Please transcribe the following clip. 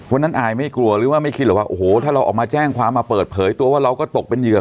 อายไม่กลัวหรือว่าไม่คิดหรอกว่าโอ้โหถ้าเราออกมาแจ้งความมาเปิดเผยตัวว่าเราก็ตกเป็นเหยื่อ